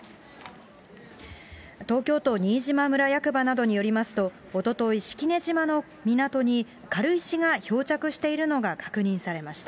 東京都新島村役場などによりますと、おととい、式根島の港に、軽石が漂着しているのが確認されました。